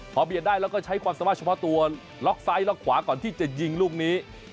พอเบียดได้แล้วก็ใช้ความสามารถเฉพาะตัวล็อกซ้ายล็อกขวาก่อนที่จะยิงลูกนี้